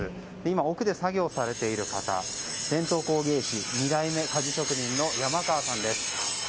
奥で作業をされている方は伝統工芸士鍛冶職人の八間川さんです。